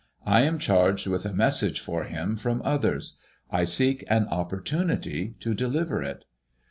I am charged with a message for him from others. I seek an op portunity to deliver it."